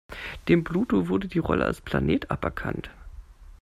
Dem Pluto wurde die Rolle als Planet aberkannt.